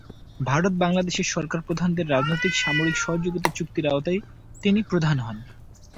ভারত-বাংলাদেশের সরকার প্রধানদের রাজনৈতিক-সামরিক সহযোগীতা চুক্তির আওতায় তিনি প্রধান হন।